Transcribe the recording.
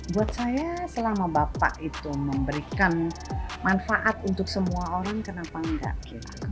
buat saya selama bapak itu memberikan manfaat untuk semua orang kenapa enggak